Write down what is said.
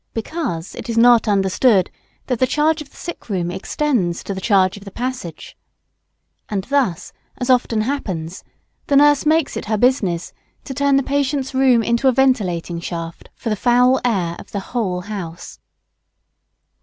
Because it is not understood that the charge of the sick room extends to the charge of the passage. And thus, as often happens, the nurse makes it her business to turn the patient's room into a ventilating shaft for the foul air of the whole house. [Sidenote: Uninhabited room fouling the whole house.